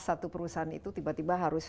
satu perusahaan itu tiba tiba harus